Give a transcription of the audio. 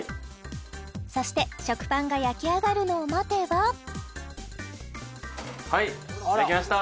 そして食パンが焼き上がるのを待てばはいできました！